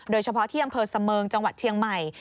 โดยเฉพาะที่อำเภอเสมิงจังหวัดเชียงใหม่